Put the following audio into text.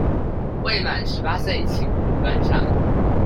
未滿十八歲請勿觀賞